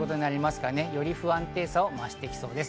より不安定さを増してきそうです。